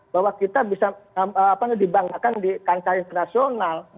bahwa kita bisa dibanggakan di kancah internasional